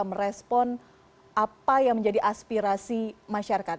merespon apa yang menjadi aspirasi masyarakat